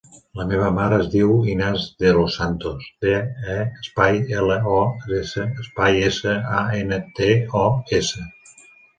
La meva mare es diu Inas De Los Santos: de, e, espai, ela, o, essa, espai, essa, a, ena, te, o, essa.